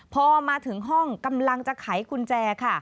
พอมาถึงห้องกำลังจะไขกุญแจค่ะ